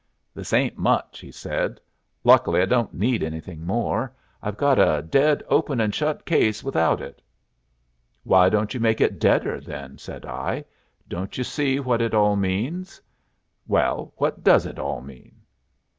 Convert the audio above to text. "This ain't much," he said. "Luckily I don't need anything more. I've got a dead open and shut case without it." "Why don't you make it deader, then?" said I. "Don't you see what it all means?" "Well, what does it all mean?"